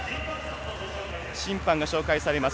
審判が紹介されます。